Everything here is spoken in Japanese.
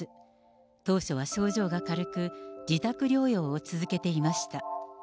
当初は症状が軽く、自宅療養を続けていました。